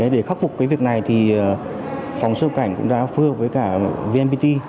để khắc phục cái việc này thì phòng xuất nhập cảnh cũng đã phương hợp với cả vnpt